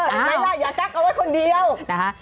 ไม่ใช่อย่ากักเอาไว้คนเดียวนะคะ